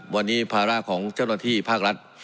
วันนี้ภาระของเจ้าหน้าที่ภาครัฐ